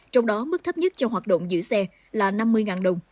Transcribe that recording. trong đó mức thấp nhất cho hoạt động giữ xe là năm mươi đồng